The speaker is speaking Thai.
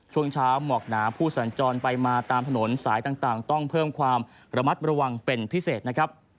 ช่วงเช้าหมอกหนาผู้สัญจรไปมาตามถนนสายต่างต้องเพิ่มความระมัดระวังเป็นพิเศษนะครับ